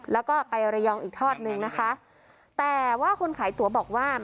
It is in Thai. แล้วก็ไประยองอีกทอดนึงนะคะแต่ว่าคนขายตั๋วบอกว่า